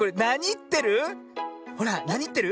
ほらなにってる？